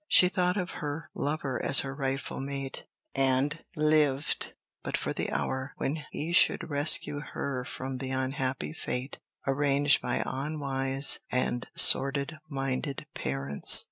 She thought of her lover as her rightful mate, and lived but for the hour when he should rescue her from the unhappy fate arranged by unwise and sordid minded parents.